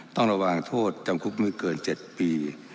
ต้องระวังโทษจำคุกไม่เกิน๗ปี